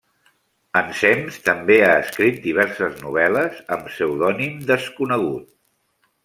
Ensems també ha escrit diverses novel·les amb pseudònim desconegut.